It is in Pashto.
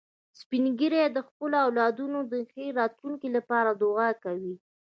سپین ږیری د خپلو اولادونو د ښې راتلونکې لپاره دعا کوي